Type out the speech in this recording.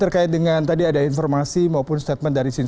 terkait dengan tadi ada informasi maupun seperti apa yang terjadi di jepang